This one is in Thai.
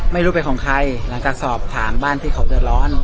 ไม่รู้เป็นของใครหลังจากสอบถามบ้านที่เขาเดือดร้อน